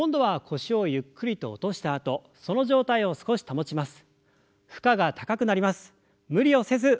腰をゆっくりと落としてその状態を少し保ちます。